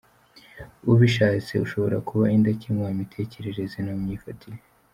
Ubishatse ushobora kuba indakemwa mu mitekerereze no mu myifatire.